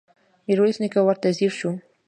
ميرويس نيکه ورته ځير شو.